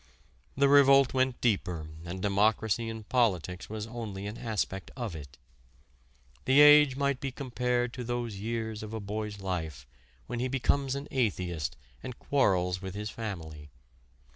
The revolt went deeper and democracy in politics was only an aspect of it. The age might be compared to those years of a boy's life when he becomes an atheist and quarrels with his family.